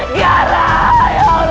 kiara ya allah mas